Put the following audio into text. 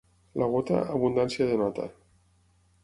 La gota, abundància denota.